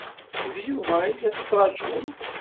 D Yuba i la tettṛaǧum?